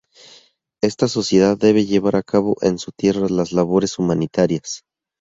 Esta sociedad debe llevar a cabo en su tierra las labores humanitarias.